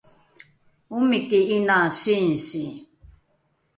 omiki ’ina singsi